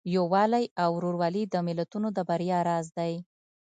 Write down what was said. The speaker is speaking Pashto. یووالی او ورورولي د ملتونو د بریا راز دی.